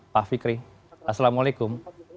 pak fikri assalamualaikum